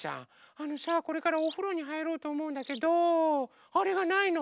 あのさこれからおふろにはいろうとおもうんだけどあれがないの！